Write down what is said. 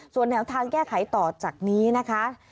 ส่วนแนวทางแก้ไขต่อจากนี้นะคะ